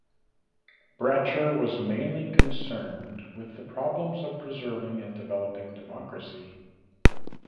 Bracher was mainly concerned with the problems of preserving and developing democracy.